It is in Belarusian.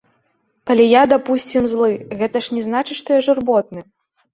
Калі я, дапусцім, злы, гэта ж не значыць, што я журботны?